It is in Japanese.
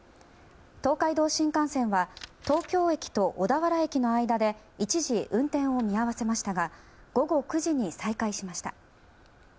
東海道新幹線は東京駅と小田原駅の間で一時運転を見合わせましたが午後９時に再開しました。